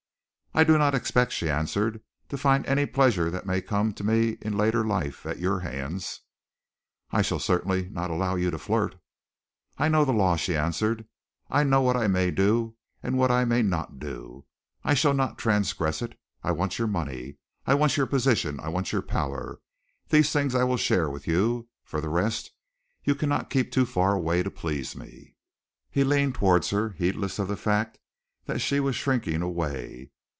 "I do not expect," she answered, "to find any pleasure that may come to me in later life, at your hands." "I shall certainly not allow you to flirt." "I know the law," she answered. "I know what I may do and what I may not do. I shall not transgress it. I want your money, I want your position, I want your power. These things I will share with you. For the rest, you cannot keep too far away to please me." He leaned towards her, heedless of the fact that she was shrinking away.